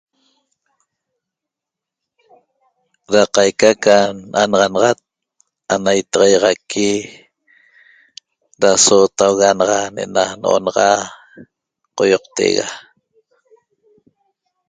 Ra qaica ca anaxanaxat ana itaxaiaxaqui ra sotauga naxa ne'ena no'onaxa qaioqtega